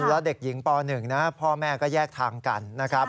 แล้วเด็กหญิงป๑นะพ่อแม่ก็แยกทางกันนะครับ